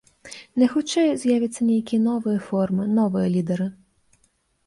Найхутчэй, з'явяцца нейкія новыя формы, новыя лідэры.